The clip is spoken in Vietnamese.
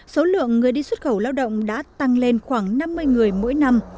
số lượng người đi xuất khẩu lao động đã tăng lên khoảng năm mươi người mỗi năm